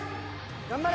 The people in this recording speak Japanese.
頑張れ！